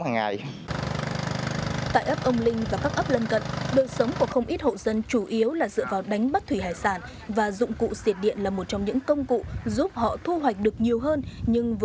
nhưng với sự nghiên cứu của các ấp lân cận đời sống của không ít hộ dân chủ yếu là dựa vào đánh bắt thủy hải sản